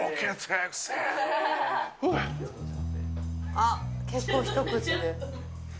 あっ、結構一口で。